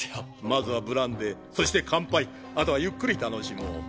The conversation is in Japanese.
まずはブランデーそして乾杯後はゆっくり楽しもう。